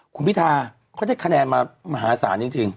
คุณพิธาเขาได้คะแนนมามหาศาลจริง